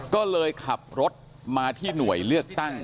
ก็เลยขับรถมาที่หน่วยเลือกตั้ง